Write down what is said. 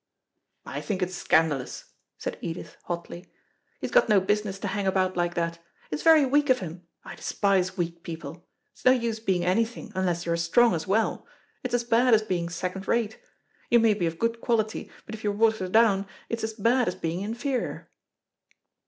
"I think it's scandalous," said Edith hotly. "He's got no business to hang about like that. It's very weak of him I despise weak people. It's no use being anything, unless you're strong as well; it's as bad as being second rate. You may be of good quality, but if you're watered down, it's as bad as being inferior."